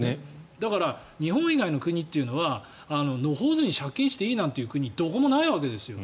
だから、日本以外の国というのは野放図に借金していいという国はどこもないわけですよ。